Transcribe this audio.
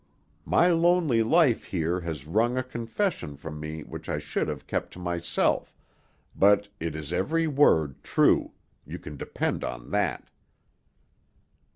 My lonely life here has wrung a confession from me which I should have kept to myself, but it is every word true; you can depend on that."